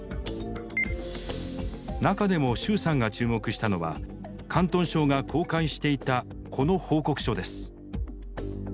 中でもシューさんが注目したのは広東省が公開していたこの報告書です。